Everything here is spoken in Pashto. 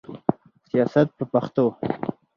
سیاست په پښتو.